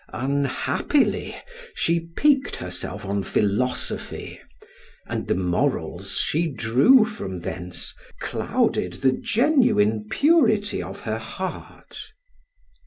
Unhappily, she piqued herself on philosophy, and the morals she drew from thence clouded the genuine purity of her heart.